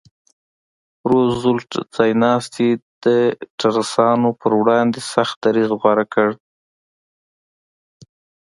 روزولټ ځایناستي د ټرستانو پر وړاندې سخت دریځ غوره کړ.